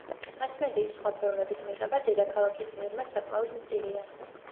მასმედიის სხვა ფორმების მიღება დედაქალაქის მიღმა საკმაოდ მწირია.